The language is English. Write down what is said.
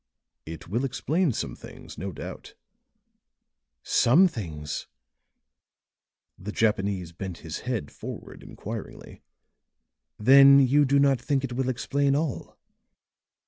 "It will explain some things, no doubt." "Some things!" The Japanese bent his head forward inquiringly. "Then you do not think it will explain all?"